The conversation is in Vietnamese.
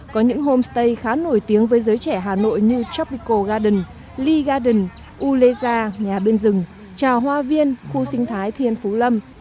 có những homestay khá nổi tiếng với giới trẻ hà nội như tropical garden lee garden uleza nhà bên rừng trà hoa viên khu sinh thái thiên phú lâm